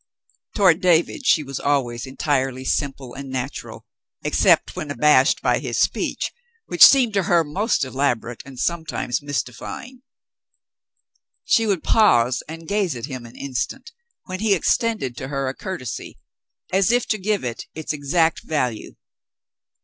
Toward David she was alwavs entirely simple and natural, except when abashed by his speech, which seemed 90 The Mountain Girl to her most elaborate and sometimes mystifying. She would pause and gaze on him an instant when he extended to her a courtesy, as if to give it its exact value.